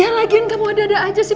ya lagian kamu dada aja sih